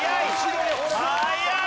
早い！